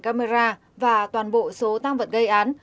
camera và toàn bộ số tăng vật gây án